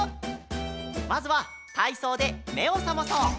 まずはたいそうでめをさまそう。